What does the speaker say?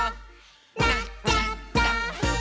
「なっちゃった！」